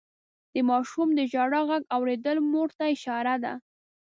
د ماشوم د ژړا غږ اورېدل مور ته اشاره ده.